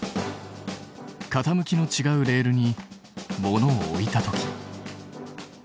傾きのちがうレールに物を置いた時。